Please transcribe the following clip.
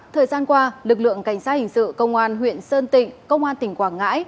thời gian qua lực lượng cảnh sát hình sự công an huyện sơn tịnh công an tỉnh quảng ngãi